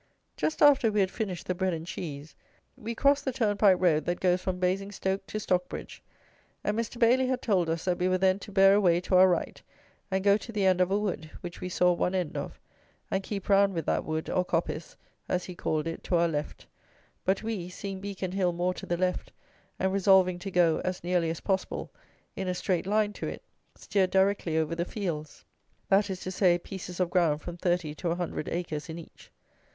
Just after we had finished the bread and cheese, we crossed the turnpike road that goes from Basingstoke to Stockbridge; and Mr. Bailey had told us that we were then to bear away to our right, and go to the end of a wood (which we saw one end of), and keep round with that wood, or coppice, as he called it, to our left; but we, seeing Beacon Hill more to the left, and resolving to go, as nearly as possible, in a straight line to it, steered directly over the fields; that is to say, pieces of ground from 30 to 100 acres in each.